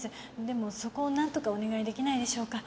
でもそこを何とかお願いできないでしょうか？